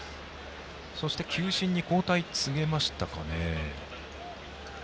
そして球審に交代、告げましたかね。